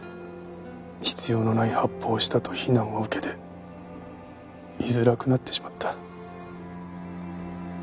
必要のない発砲をしたと非難を受けて居づらくなってしまった。